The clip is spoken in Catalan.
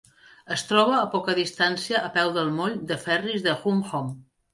Es troba a poca distància a peu del moll de ferris de Hung Hom.